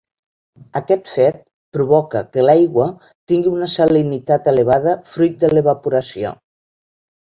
Aquest fet provoca que l'aigua tingui una salinitat elevada fruit de l'evaporació.